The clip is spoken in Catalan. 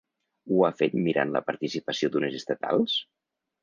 Ho ha fet mirant la participació d'unes estatals?